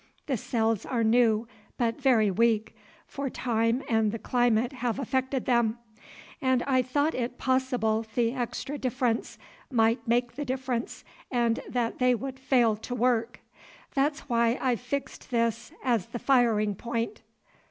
The cells are new but very weak, for time and the climate have affected them, and I thought it possible the extra distance might make the difference and that they would fail to work. That's why I fixed this as the firing point.